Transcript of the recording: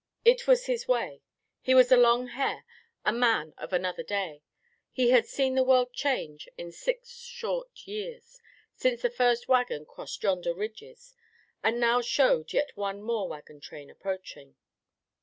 It was his way. He was a long hair, a man of another day. He had seen the world change in six short years, since the first wagon crossed yonder ridges, where now showed yet one more wagon train approaching.